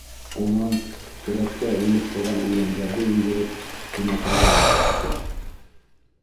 Унан келәттә эленеп торған үләндәрҙе индереп, төнәтергә ултыртты.